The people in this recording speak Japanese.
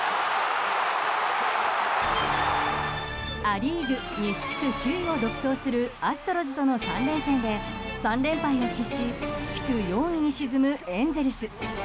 ア・リーグ西地区首位を独走するアストロズとの３連戦で３連敗を喫し地区４位に沈むエンゼルス。